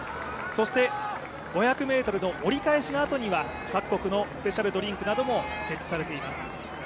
そして５００ｍの折り返しのあとには各国のスペシャルドリンクなども設置されています。